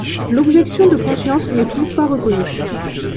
L’objection de conscience n’y est toujours pas reconnue.